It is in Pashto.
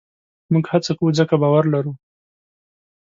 موږ هڅه کوو؛ ځکه باور لرو.